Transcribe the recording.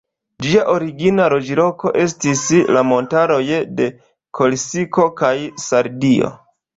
Ĝia origina loĝloko estis la montaroj de Korsiko kaj Sardio.